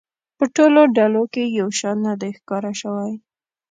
په ټولو ډلو کې یو شان نه دی ښکاره شوی.